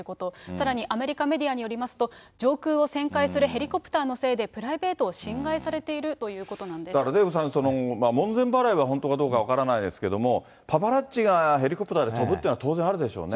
さらにアメリカメディアによりますと、上空を旋回するヘリコプターのせいで、プライベートを侵害されてだからデーブさん、門前払いは本当かどうか分からないんですけど、パパラッチがヘリコプターで飛ぶっていうのは当然あるでしょうね。